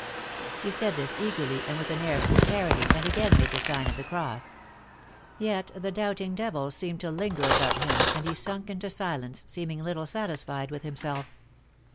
He said this eagerly and with an air of sincerity, and again made the sign of the cross. Yet the doubt ing devil seemed to linger about him, and he sunk into silence, seeming little satisfied with himself.